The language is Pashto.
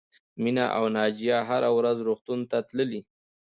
مینه او ناجیه هره ورځ روغتون ته تللې